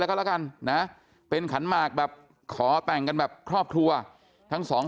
แล้วก็แล้วกันนะเป็นขันหมากแบบขอแต่งกันแบบครอบครัวทั้งสอง